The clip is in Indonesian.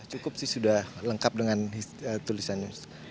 cukup sih sudah lengkap dengan tulisannya